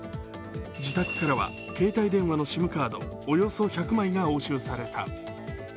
自宅からは携帯電話のＳＩＭカードおよそ１００枚が押収された。